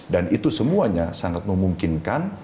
itu semuanya sangat memungkinkan